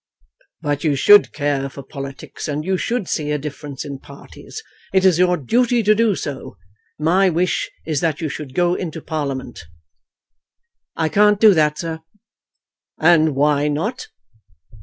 "But you should care for politics, and you should see a difference in parties. It is your duty to do so. My wish is that you should go into Parliament." "I can't do that, sir." "And why not?"